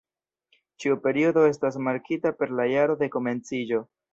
Ĉiu periodo estas markita per la jaro de komenciĝo.